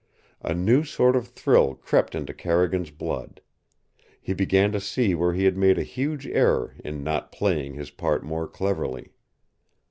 A new sort of thrill crept into Carrigan's blood. He began to see where he had made a huge error in not playing his part more cleverly.